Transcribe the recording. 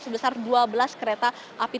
sebesar dua belas kereta api